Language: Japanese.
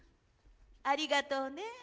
ありがとうね。